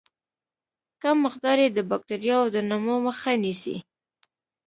کم مقدار یې د باکتریاوو د نمو مخه نیسي.